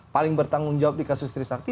paling bertanggung jawab di kasus trisakti